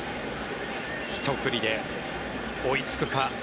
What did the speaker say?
ひと振りで追いつくか。